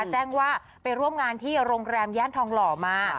แจ้งว่าไปร่วมงานที่โรงแรมย่านทองหล่อมา